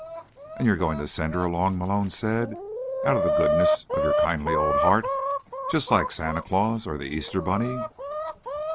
"And you're going to send her along," Malone said, "out of the goodness of your kindly old heart. Just like Santa Claus. Or the Easter bunny."